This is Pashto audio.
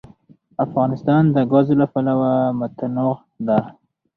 افغانستان د ګاز له پلوه متنوع دی.